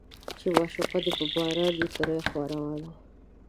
چې معشوقه دې په باران کې وي تر خوا روانه